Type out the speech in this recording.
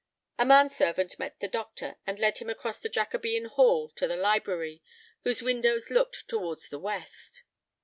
A manservant met the doctor, and led him across the Jacobean hall to the library, whose windows looked towards the west.